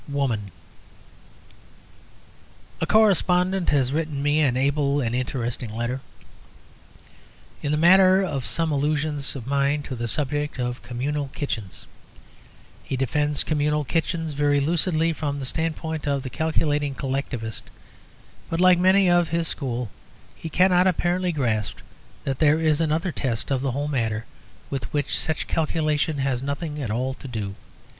WOMAN A correspondent has written me an able and interesting letter in the matter of some allusions of mine to the subject of communal kitchens. He defends communal kitchens very lucidly from the standpoint of the calculating collectivist; but, like many of his school, he cannot apparently grasp that there is another test of the whole matter, with which such calculation has nothing at all to do.